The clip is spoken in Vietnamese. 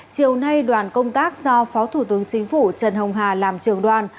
chiều nay đoàn công tác do phó thủ tướng chính phủ trần hồng hà làm trường đoàn